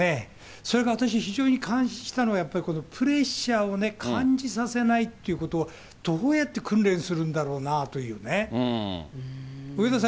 それから私、非常に感心したのはやっぱりこの、プレッシャーをね、感じさせないっていうこと、どうやって訓練するんだろうなというね。